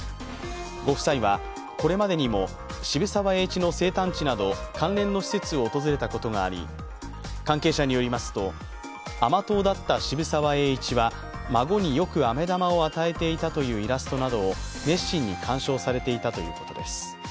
ご夫妻はこれまでにも渋沢栄一の生誕地など関連の施設を訪れたことがあり関係者によりますと甘党だった渋沢栄一は、孫によくあめ玉を与えていたというイラストなどを熱心に鑑賞されていたということです。